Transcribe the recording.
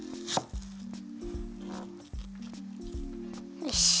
よし。